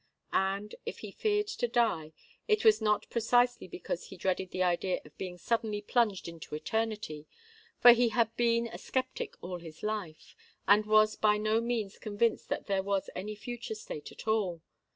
And, if he feared to die, it was not precisely because he dreaded the idea of being suddenly plunged into eternity; for he had been a sceptic all his life, and was by no means convinced that there was any future state at all.